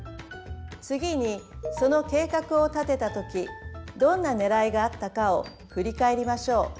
次にその計画を立てた時どんなねらいがあったかを振り返りましょう。